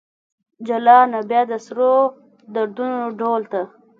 جلانه ! بیا د سرو دردونو ډول ته